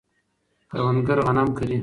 کروندګر غنم کري.